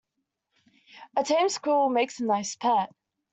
A tame squirrel makes a nice pet.